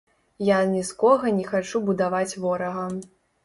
Я ні з кога не хачу будаваць ворага.